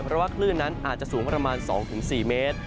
เพราะว่าคลื่นนั้นอาจจะสูงประมาณ๒๔เมตร